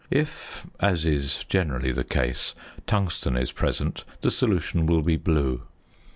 If (as is generally the case) tungsten is present the solution will be blue.